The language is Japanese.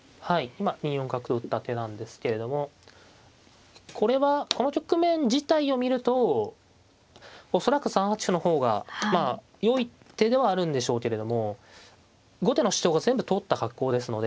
今２四角打った手なんですけれどもこれはこの局面自体を見ると恐らく３八歩の方がまあよい手ではあるんでしょうけれども後手の主張が全部通った格好ですので。